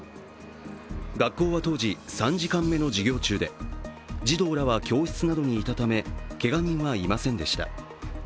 学校は当時、３時間目の授業中で児童らは教室などにいたためけが人はいませんでした。